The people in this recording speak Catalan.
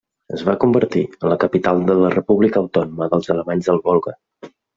Es va convertir en la capital de la República Autònoma dels Alemanys del Volga.